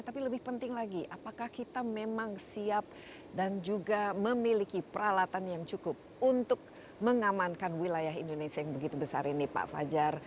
tapi lebih penting lagi apakah kita memang siap dan juga memiliki peralatan yang cukup untuk mengamankan wilayah indonesia yang begitu besar ini pak fajar